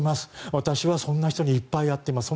私はそんな人にいっぱい会っています。